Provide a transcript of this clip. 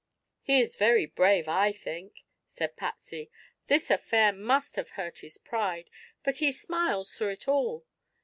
"He is very brave, I think," said Patsy. "This affair must have hurt his pride, but he smiles through it all.